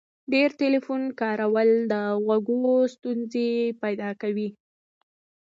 ډیر ټلیفون کارول د غوږو ستونزي پیدا کوي.